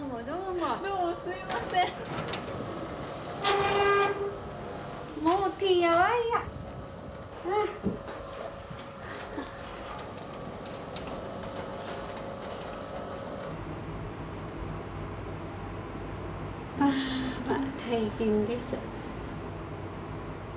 まあまあ大変です。